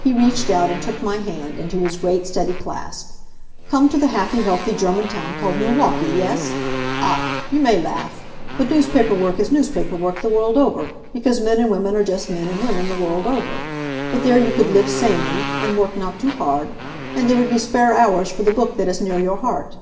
He reached out and took my hand, into his great, steady clasp. "Come to the happy, healthy, German town called Milwaukee, yes? Ach, you may laugh. But newspaper work is newspaper work the world over, because men and women are just men and women the world over. But there you could live sanely, and work not too hard, and there would be spare hours for the book that is near your heart.